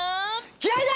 気合いだ！